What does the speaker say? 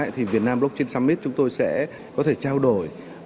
hai nghìn hai mươi ba thì việt nam blockchain summit chúng tôi sẽ có thể trao đổi